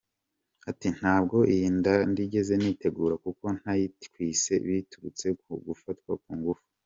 Ati : «Ntabwo iyi nda nigeze nyitegura kuko nayitwise biturutse ku gufatwa ku ngufu.